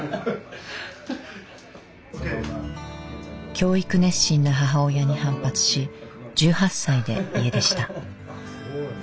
教育熱心な母親に反発し１８歳で家出した。